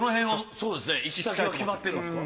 そうですね行き先は決まってるんですか？